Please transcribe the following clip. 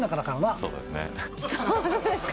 そうですか？